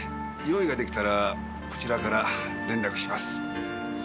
用意ができたらこちらから連絡します。